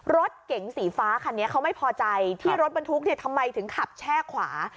รถเก๋งสีฟ้าคันนี้เขาไม่พอใจที่รถบรรทุกเนี่ยทำไมถึงขับแช่ขวา